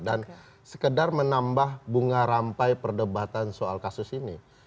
sekedar menambah bunga rampai perdebatan soal kasus ini